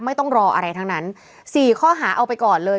ไม่ต้องรออะไรทั้งนั้น๔ข้อหาเอาไปก่อนเลย